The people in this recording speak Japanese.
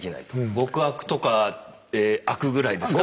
極悪とか悪ぐらいですか？